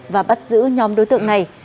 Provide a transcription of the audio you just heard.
và bắt giữ nhóm đối tượng này